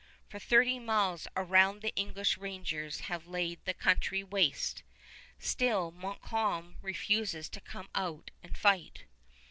For thirty miles around the English rangers have laid the country waste. Still Montcalm refuses to come out and fight.